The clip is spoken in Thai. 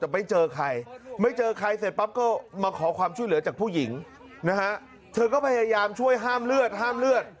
แต่ไม่เจอใครไม่เจอใครเสร็จปั๊บก็มาขอความช่วยเหลือจากผู้หญิงนะฮะเธอก็พยายามช่วยห้ามเลือดห้ามเลือด